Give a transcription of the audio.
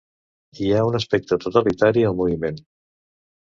Hi ha un aspecte totalitari al moviment.